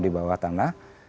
di bawah tanah